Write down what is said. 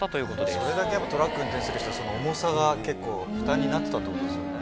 それだけトラック運転する人はその重さが結構負担になってたってことですよね。